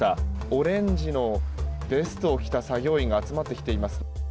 オレンジのベストを着た作業員が集まってきています。